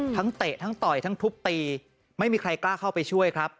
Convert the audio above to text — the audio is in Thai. เตะทั้งต่อยทั้งทุบตีไม่มีใครกล้าเข้าไปช่วยครับ